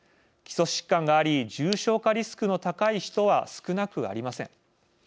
基礎疾患があり重症化リスクの高い人は少なくありません。